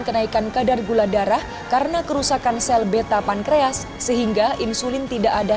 kenaikan kadar gula darah karena kerusakan sel beta pankreas sehingga insulin tidak ada